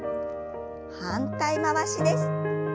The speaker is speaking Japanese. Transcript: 反対回しです。